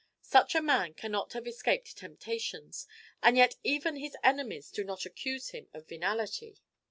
Such a man cannot have escaped temptations, and yet even his enemies do not accuse him of venality."